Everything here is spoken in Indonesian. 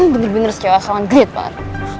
bener bener secewasongan great pak